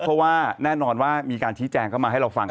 เพราะว่าแน่นอนว่ามีการชี้แจงเข้ามาให้เราฟัง